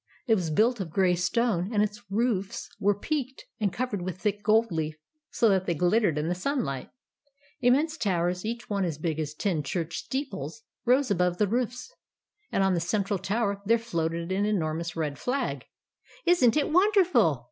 It was built of grey stone, and its roofs were peaked, and covered with thick gold leaf so that they glittered in the sun light. Immense towers, each one as big as ten church steeples, rose above the roofs, and on the central tower there floated an enormous red flag. " Is n't it wonderful